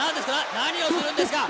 何をするんですか！？